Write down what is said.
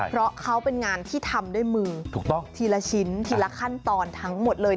เพราะเขาเป็นงานที่ทำด้วยมือถูกต้องทีละชิ้นทีละขั้นตอนทั้งหมดเลย